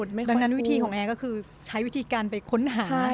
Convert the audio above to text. ดังนั้นวิธีของแอร์ก็คือใช้วิธีการไปค้นหา